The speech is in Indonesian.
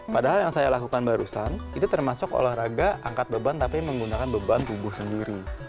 padahal yang saya lakukan barusan itu termasuk olahraga angkat beban tapi menggunakan beban tubuh sendiri